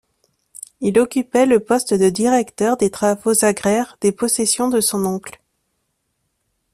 Il occupait le poste de directeur des travaux agraires des possessions de son oncle.